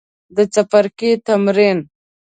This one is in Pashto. د څپرکي تمرین